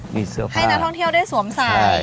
มีเสื้อผ้าให้นักท่องเที่ยวได้สวมสาย